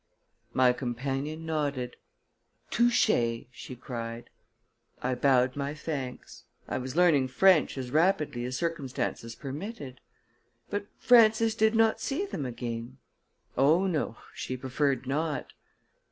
My companion nodded. "Touché!" she cried. I bowed my thanks; I was learning French as rapidly as circumstances permitted. "But Frances did not see them again?" "Oh, no; she preferred not."